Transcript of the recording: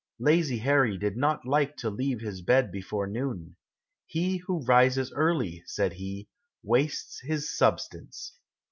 Lazy Harry did not like to leave his bed before noon. "He who rises early," said he, "wastes his substance."